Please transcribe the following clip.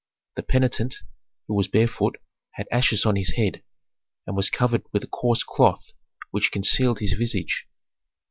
The penitent, who was barefoot, had ashes on his head, and was covered with a coarse cloth which concealed his visage.